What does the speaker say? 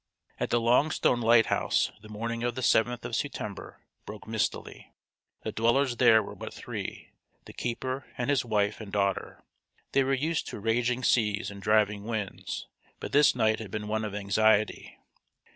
At the Longstone Lighthouse the morning of the seventh of September broke mistily. The dwellers there were but three the keeper and his wife and daughter. They were used to raging seas and driving winds, but this night had been one of anxiety.